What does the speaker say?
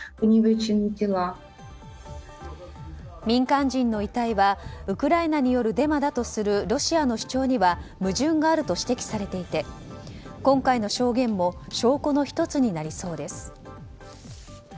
民間人の遺体はウクライナによるデマだとするロシアの主張には矛盾があると指摘されていて今回の証言も証拠の１つになりそうです。